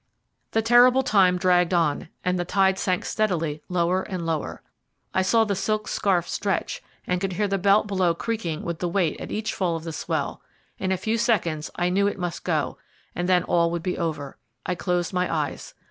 The terrible time dragged on, and the tide sank steadily lower and lower. I saw the silk scarf stretch, and could hear the belt below creaking with the weight at each fall of the swell. In a few seconds I knew it must go, and then all would be over. I closed my eyes.